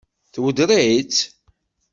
Tweddeṛ-itt?